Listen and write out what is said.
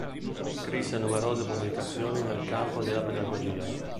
Scrisse numerose pubblicazioni nel campo della pedagogia.